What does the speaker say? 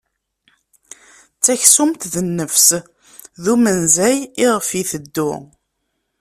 D taksumt d nnefs, d umenzay iɣef iteddu.